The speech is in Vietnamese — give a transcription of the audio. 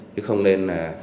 thì không nên làm việc